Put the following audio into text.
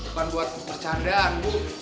bukan buat bercandaan